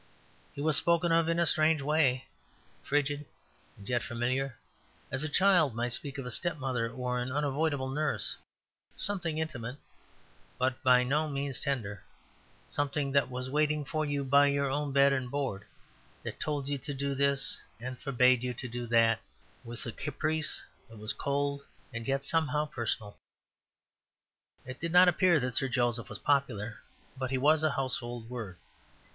He was spoken of in a strange way, frigid and yet familiar, as a child might speak of a stepmother or an unavoidable nurse; something intimate, but by no means tender; something that was waiting for you by your own bed and board; that told you to do this and forbade you to do that, with a caprice that was cold and yet somehow personal. It did not appear that Sir Joseph was popular, but he was "a household word."